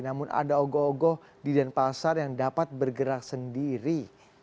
namun ada ogo ogo di denpasar yang dapat bergerak sendiri